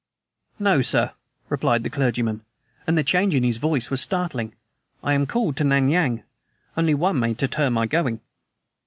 "No, sir!" replied the clergyman and the change in his voice was startling. "I am called to Nan Yang. Only One may deter my going."